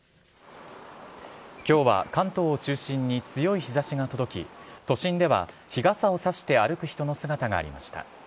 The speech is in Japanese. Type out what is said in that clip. きょうは関東を中心に強い日ざしが届き、都心では日傘を差して歩く人の姿がありました。